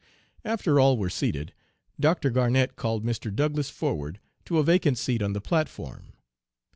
"After all were seated, Dr. Garnett called Mr. Douglass forward to a vacant seat on the platform.